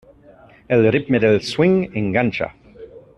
El ritme del swing enganxa.